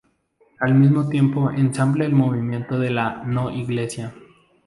Al mismo tiempo ensambla el movimiento de la No-Iglesia.